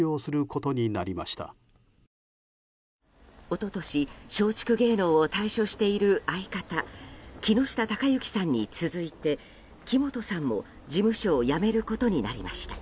一昨年松竹芸能を退所している相方・木下隆行さんに続いて木本さんも、事務所を辞めることになりました。